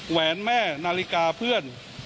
แหวนแม่นาฬิกาเพื่อน